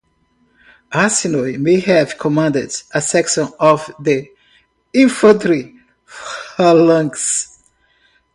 Arsinoe may have commanded a section of the infantry phalanx.